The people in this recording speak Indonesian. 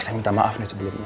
saya minta maaf nih sebelumnya